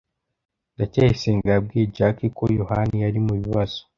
ndacyayisenga yabwiye jaki ko yohana yari mu bibazo